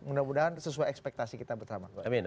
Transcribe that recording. mudah mudahan sesuai ekspektasi kita bersama